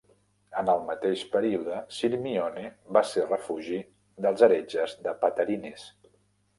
En el mateix període, Sirmione va ser refugi dels heretges de Patarines.